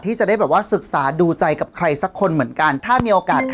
ที่จะได้แบบว่าศึกษาดูใจกับใครสักคนเหมือนกันถ้ามีโอกาสค่ะ